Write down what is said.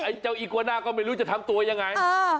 เจ้าอีกวาน่าก็ไม่รู้จะทำตัวยังไง